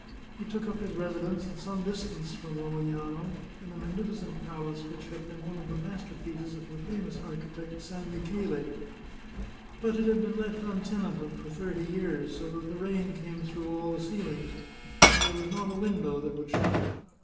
He took up his residence at some distance from Romagnano, in a magnificent palace which had been one of the master pieces of the famous architect San Michele. But it had been left untenanted for thirty years, so that the rain came through all the ceilings, and there was not a window that would shut.